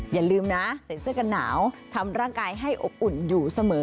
อย่าลืมนะใส่เสื้อกันหนาวทำร่างกายให้อบอุ่นอยู่เสมอ